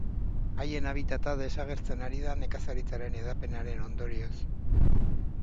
Haien habitata desagertzen ari da, nekazaritzaren hedapenaren ondorioz.